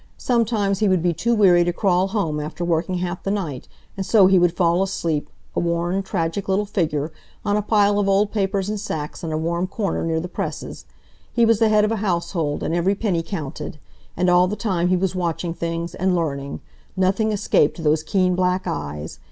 Sometimes he would be too weary to crawl home after working half the night, and so he would fall asleep, a worn, tragic little figure, on a pile of old papers and sacks in a warm corner near the presses. He was the head of a household, and every penny counted. And all the time he was watching things, and learning. Nothing escaped those keen black eyes.